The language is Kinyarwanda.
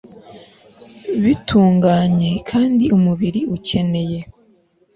bitunganye kandi umubiri ukeneye